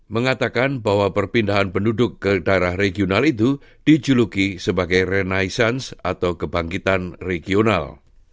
mengatakan bahwa perpindahan penduduk ke daerah regional itu dijuluki sebagai renaissance atau kebangkitan regional